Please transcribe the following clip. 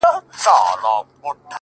o اوس مي د زړه كورگى تياره غوندي دى؛